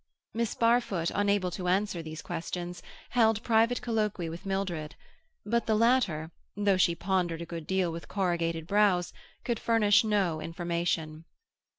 Miss Barfoot, unable to answer these questions, held private colloquy with Mildred; but the latter, though she pondered a good deal with corrugated brows, could furnish no information.